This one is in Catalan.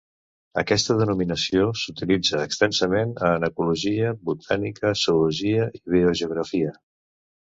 Aquesta denominació s'utilitza extensament en ecologia, botànica, zoologia i biogeografia.